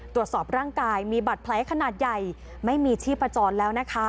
ตรวจสอบร่างกายมีบัตรแผลขนาดใหญ่ไม่มีชีพจรแล้วนะคะ